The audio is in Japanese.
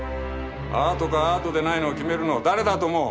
アートかアートでないのを決めるのは誰だと思う？